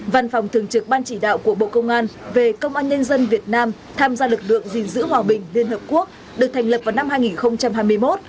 văn phòng thường trực ban chỉ đạo của bộ công an về công an nhân dân việt nam tham gia lực lượng gìn giữ hòa bình liên hợp quốc được thành lập vào năm hai nghìn hai mươi một